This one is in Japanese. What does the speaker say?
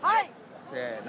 せの。